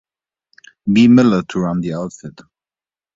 B. Miller to run the outfit.